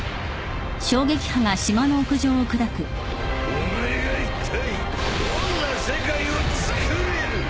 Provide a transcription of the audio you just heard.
お前がいったいどんな世界をつくれる？